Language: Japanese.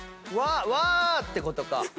「わぁー！」ってことか。